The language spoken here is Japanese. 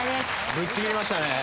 ぶっちぎりましたね。